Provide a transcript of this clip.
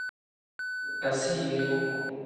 Asiiri.